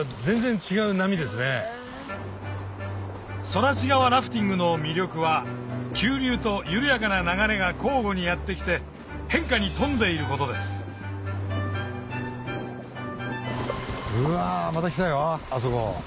空知川ラフティングの魅力は急流と緩やかな流れが交互にやって来て変化に富んでいることですうわまた来たよあそこ。